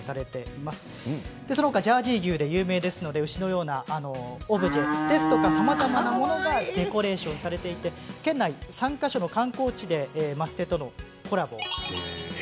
その他、ジャージー牛で有名なので牛のようなオブジェですとかさまざまなものがデコレーションされていて県内３か所の観光地でマステとのコラボが行われています。